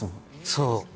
そう。